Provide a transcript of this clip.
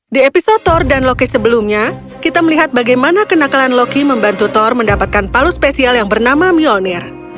di episo thor dan lokis sebelumnya kita melihat bagaimana kenakalan loki membantu thor mendapatkan palu spesial yang bernama myonir